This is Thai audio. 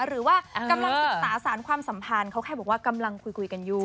หรือว่ากำลังศึกษาสารความสัมพันธ์เขาแค่บอกว่ากำลังคุยกันอยู่